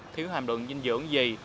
thiếu hàm lượng dinh dưỡng gì